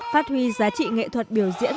phát huy giá trị nghệ thuật biểu diễn